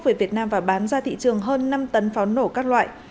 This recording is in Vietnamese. về việt nam và bán ra thị trường hơn năm tấn pháo nổ các loại